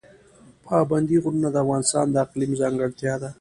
پابندی غرونه د افغانستان د اقلیم ځانګړتیا ده.